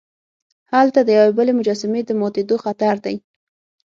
هلته د یوې بلې مجسمې د ماتیدو خطر دی.